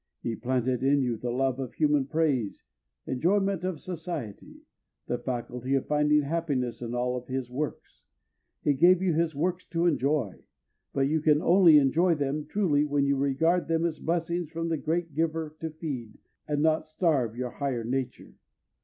He planted in you the love of human praise, enjoyment of society, the faculty of finding happiness in all of his works. He gave you his works to enjoy, but you can only enjoy them truly when you regard them as blessings from the great Giver to feed, and not starve, your higher nature.